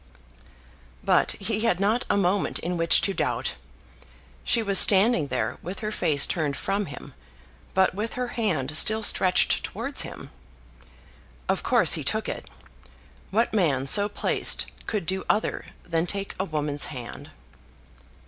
But he had not a moment in which to doubt. She was standing there with her face turned from him, but with her hand still stretched towards him. Of course he took it. What man so placed could do other than take a woman's hand?